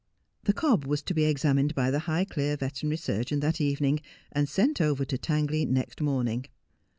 The cob was to be examined by the Highclere veterinary surgeon that evening, and sent over to Tangley next morning.